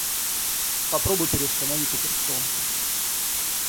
Попробуй переустановить операционку.